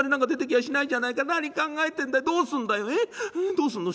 どうすんの？